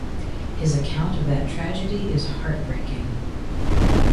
His account of that tragedy is heartbreaking.